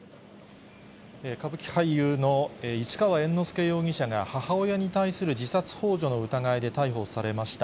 歌舞伎俳優の市川猿之助容疑者が母親に対する自殺ほう助の疑いで逮捕されました。